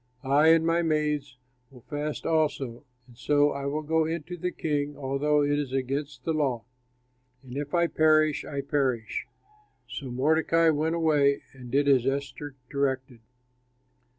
I and my maids will fast also, and so I will go in to the king, although it is against the law. And if I perish I perish." So Mordecai went away and did as Esther directed.